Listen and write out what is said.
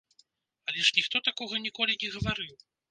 Але ж ніхто такога ніколі не гаварыў!